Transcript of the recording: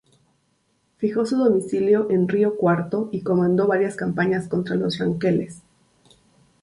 Fijó su domicilio en Río Cuarto y comandó varias campañas contra los ranqueles.